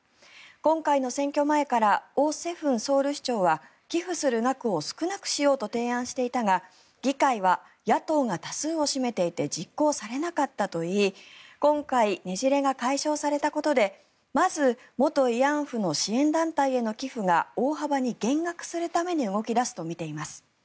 今回の選挙前からオ・セフンソウル市長は寄付する額を少なくしようと提案していたが議会は野党が多数を占めていて実行されなかったといい今回、ねじれが解消されたことでまず元慰安婦の支援団体への寄付が大幅に減額されるために動き出すとみられます。